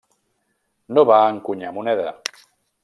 No va encunyar moneda.